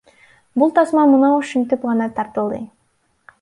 Бул тасма мына ушинтип гана тартылды.